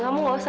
kamu gak usah